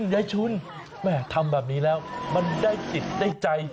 ยายชุนแม่ทำแบบนี้แล้วมันได้จิตได้ใจ